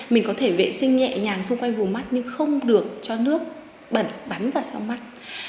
mình có thể vệ sinh nhẹ nhàng xung quanh vùng mắt nhưng không được cho nước bẩn bắn vào sau mắt